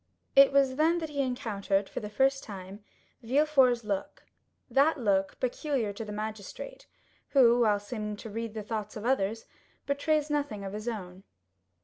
It was then that he encountered for the first time Villefort's look,—that look peculiar to the magistrate, who, while seeming to read the thoughts of others, betrays nothing of his own.